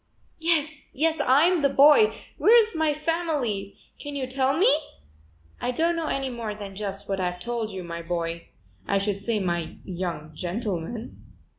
"Yes, yes, I'm the boy. Where's my family? Can you tell me?" "I don't know any more than just what I've told you, my boy; I should say my young gentleman."